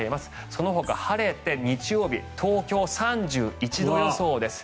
そのほか、晴れて日曜日、東京、３１度予想です。